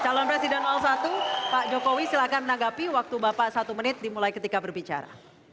calon presiden satu pak jokowi silahkan menanggapi waktu bapak satu menit dimulai ketika berbicara